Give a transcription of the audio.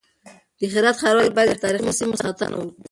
د هرات ښاروال بايد د تاريخي سيمو ساتنه وکړي.